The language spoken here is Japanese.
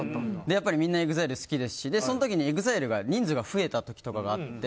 みんなＥＸＩＬＥ好きですしその時にＥＸＩＬＥが人数が増えた時とかがあって。